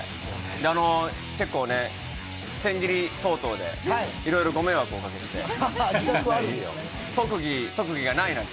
結構ね、千切り等々で、いろいろご迷惑をおかけして。